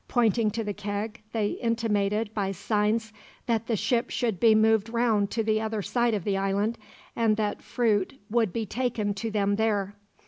Pointing to the keg, they intimated, by signs, that the ship should be moved round to the other side of the island; and that fruit would be taken to them there.